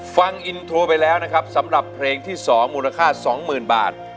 ฟังอินโทรไปแล้วนะครับสำหรับเพลงที่๒มูลค่า๒๐๐๐บาท